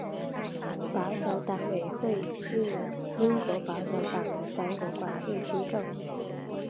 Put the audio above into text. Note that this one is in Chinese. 保守党委员会是英国保守党的全国管制机构。